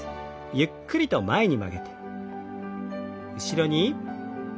ゆっくりと前に曲げて。